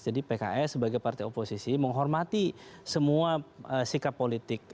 jadi pks sebagai partai oposisi menghormati semua sikap politik